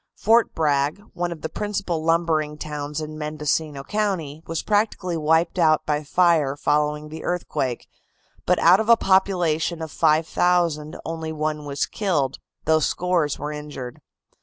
Fort Bragg, one of the principal lumbering towns in Mendocino County, was practically wiped out by fire following the earthquake, but out of a population of 5,000 only one was killed, though scores were injured.